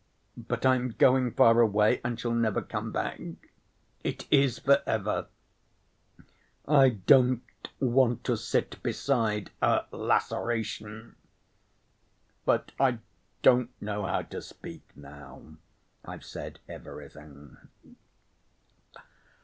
But I am going far away, and shall never come back.... It is for ever. I don't want to sit beside a 'laceration.'... But I don't know how to speak now. I've said everything....